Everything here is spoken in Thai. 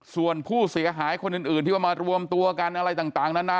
ส่วนผู้เสียหายคนอื่นที่ว่ามารวมตัวกันอะไรต่างนานา